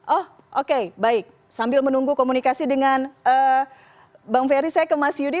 oh oke baik sambil menunggu komunikasi dengan bang ferry saya ke mas yudi